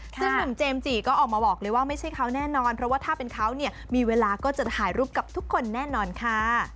ซึ่งหนุ่มเจมส์จีก็ออกมาบอกเลยว่าไม่ใช่เขาแน่นอนเพราะว่าถ้าเป็นเขาเนี่ยมีเวลาก็จะถ่ายรูปกับทุกคนแน่นอนค่ะ